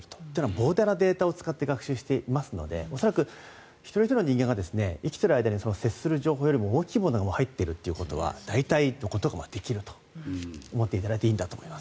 膨大なデータを使って学習していますので恐らく一人ひとりの人間が生きている間に接する情報よりも大きいものが入っているということは大体のことができると思っていただいていいんだと思います。